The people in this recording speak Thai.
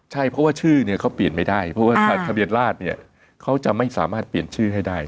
ใช่เพราะว่าชื่อเนี่ยเขาเปลี่ยนไม่ได้เพราะว่าทะเบียนราชเนี่ยเขาจะไม่สามารถเปลี่ยนชื่อให้ได้